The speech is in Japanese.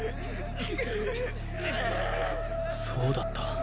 そうだった